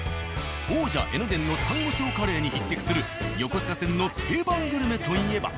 王者・江ノ電の「珊瑚礁」カレーに匹敵する横須賀線の定番グルメといえば。